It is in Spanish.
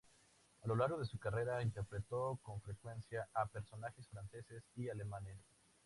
A lo largo de su carrera interpretó con frecuencia a personajes franceses y alemanes.